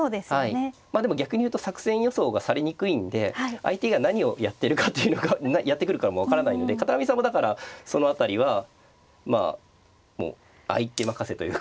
はいまあでも逆に言うと作戦予想がされにくいんで相手が何をやってるかというのがやってくるかも分からないので片上さんもだからその辺りはまあもう相手任せというか。